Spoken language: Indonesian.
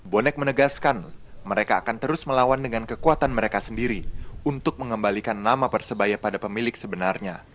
bonek menegaskan mereka akan terus melawan dengan kekuatan mereka sendiri untuk mengembalikan nama persebaya pada pemilik sebenarnya